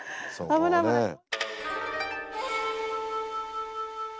危ない危ない。